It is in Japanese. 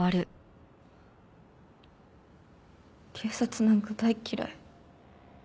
警察なんか大嫌い。